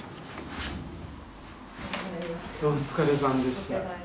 お疲れさんでした。